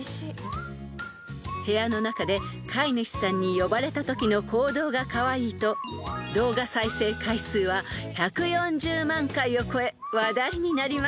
［部屋の中で飼い主さんに呼ばれたときの行動がカワイイと動画再生回数は１４０万回を超え話題になりました］